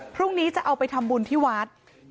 พรุ่งนี้จะเอาไปทำบุญที่วัด